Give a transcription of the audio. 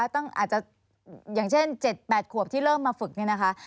อาจจะอย่างเช่น๗๘ขวบที่เริ่มมาฝึกเนี่ยนะคะ